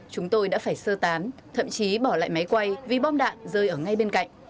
chúng tôi đã phải sơ tán thậm chí bỏ lại máy quay vì bom đạn rơi ở ngay bên cạnh